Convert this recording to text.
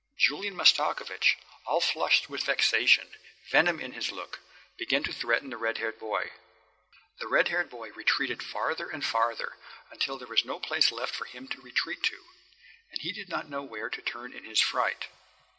Julian Mastakovich, all flushed with vexation, venom in his look, began to threaten the red haired boy. The red haired boy retreated farther and farther until there was no place left for him to retreat to, and he did not know where to turn in his fright.